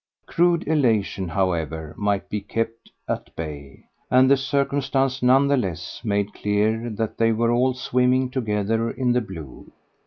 Crude elation, however, might be kept at bay, and the circumstance none the less made clear that they were all swimming together in the blue.